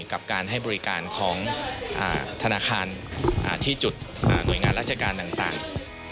กับการให้บริการของธนาคารที่จุดหน่วยงานราชการต่าง